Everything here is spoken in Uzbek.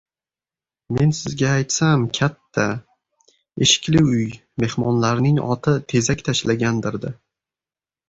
— Men sizga aytsam, katta, eshikli uy, mehmonlarning oti tezak tashlagandir-da.